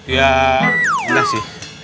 ya enggak sih